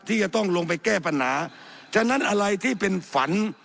ที่จะต้องลงไปแก้ปัญหาฉะนั้นอะไรที่เป็นฝัน